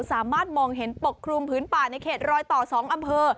สามารถมองเห็นปกคลุมพื้นป่าในเขตรอยต่อ๒อำเภอ